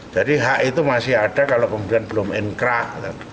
jadi hak itu masih ada kalau kemudian belum ingkrah